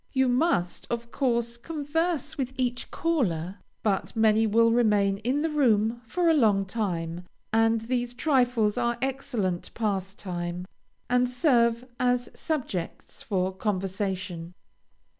You must, of course, converse with each caller, but many will remain in the room for a long time, and these trifles are excellent pastime, and serve as subjects for conversation.